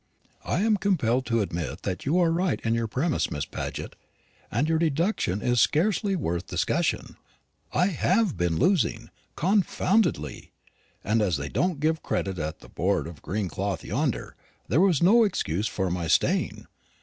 "I am compelled to admit that you are right in your premise, Miss Paget, and your deduction is scarcely worth discussion. I have been losing confoundedly; and as they don't give credit at the board of green cloth yonder, there was no excuse for my staying.